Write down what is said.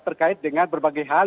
terkait dengan berbagai hal